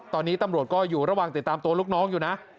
ตอนนี้ตำรวจก็อยู่ระหว่างติดตามตัวลูกน้องอยู่นะ